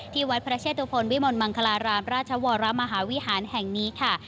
วัดพระเชตุพลวิมลมังคลารามราชวรมหาวิหารแห่งนี้ค่ะ